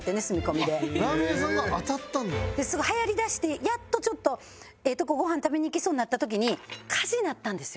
すごい流行りだしてやっとちょっとええとこご飯食べに行けそうになった時に火事になったんですよ。